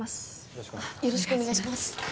よろしくお願いします